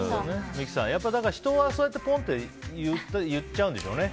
三木さん、人はポンって言っちゃうんでしょうね。